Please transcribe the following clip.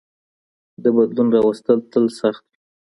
د بدلون راوستل تل سخت وي.